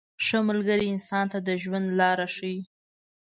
• ښه ملګری انسان ته د ژوند لاره ښیي.